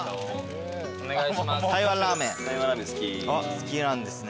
好きなんですね